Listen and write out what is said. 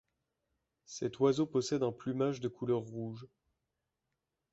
Cet oiseau possède un plumage de couleur rouge.